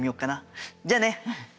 じゃあね！